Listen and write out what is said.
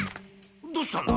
どうしたんだ？